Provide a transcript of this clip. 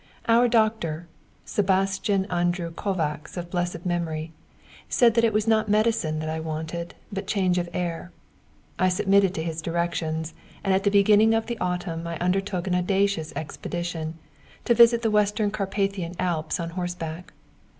Our doctor, Sebastian Andrew Kovacs of blessed memory, said that it was not medicine that I wanted, but change of air. I submitted to his directions, and at the beginning of the autumn I undertook an audacious expedition to visit the Western Carpathian Alps on horseback.